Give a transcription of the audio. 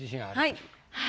はい。